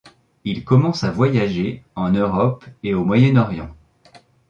Il commence à voyager en Europe et au Moyen-Orient.